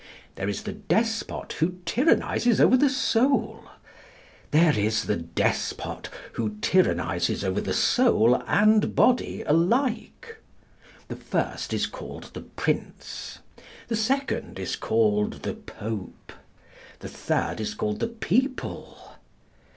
There is the despot who tyrannises over the soul. There is the despot who tyrannises over the soul and body alike. The first is called the Prince. The second is called the Pope. The third is called the People.